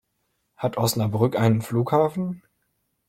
Hat Osnabrück einen Flughafen?